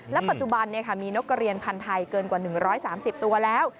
ปัจจุบันมีนกกระเรียนพันธ์ไทยเกินกว่า๑๓๐ตัวแล้ว